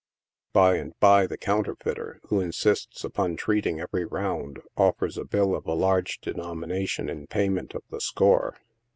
By and bye the counterfeiter, who insists upon treating every round, offers a bill of a large denomination in payment of the score.